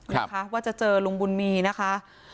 นะคะว่าจะเจอลุงบุญมีนะคะ